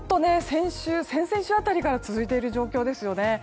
先々週辺りから続いている状況ですね。